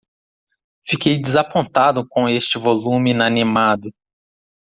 Fiquei desapontado com este volume inanimado.